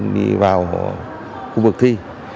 đi vào khu vực thi